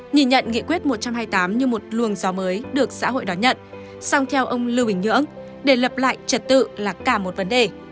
nhìn nhận nghị quyết một trăm hai mươi tám như một luồng gió mới được xã hội đón nhận song theo ông lưu bình nhưỡng để lập lại trật tự là cả một vấn đề